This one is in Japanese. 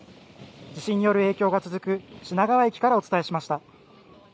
地震による影響が続く品川駅からお伝えしました。